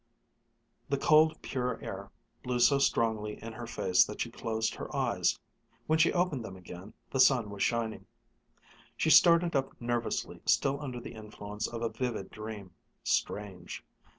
The cold, pure air blew so strongly in her face that she closed her eyes. When she opened them again the sun was shining. She started up nervously, still under the influence of a vivid dream strange....